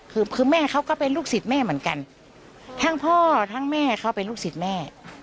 คือคือแม่เขาก็เป็นลูกศิษย์แม่เหมือนกันทั้งพ่อทั้งแม่เขาเป็นลูกศิษย์แม่